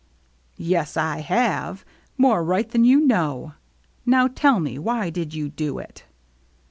" Yes I have, more right than you know. Now tell me, why did you do it?"